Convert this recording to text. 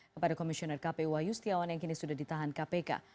kepada komisioner kpu wahyu setiawan yang kini sudah ditahan kpk